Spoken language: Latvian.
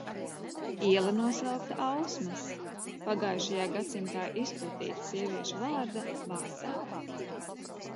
Iela nosaukta Ausmas – pagājušajā gadsimtā izplatīta sieviešu vārda – vārdā.